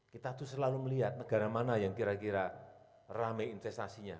kita tuh selalu melihat negara mana yang kira kira rame investasinya